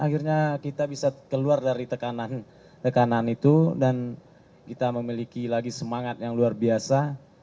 akhirnya kita bisa keluar dari tekanan itu dan kita memiliki lagi semangat yang luar biasa